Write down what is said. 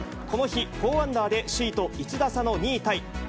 この日、４アンダーで首位と１打差の２位タイ。